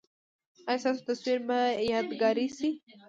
ایا ستاسو تصویر به یادګار شي؟